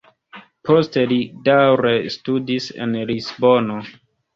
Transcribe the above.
Poste li daŭre studis en Lisbono.